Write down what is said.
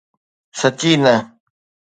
سچي نه